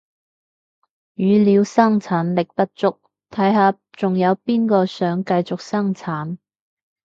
語料生產力不足，睇下仲有邊個想繼續生產